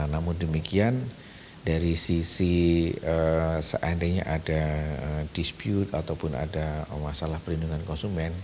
namun demikian dari sisi seandainya ada dispute ataupun ada masalah perlindungan konsumen